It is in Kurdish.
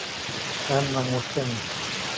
Em mamoste ne.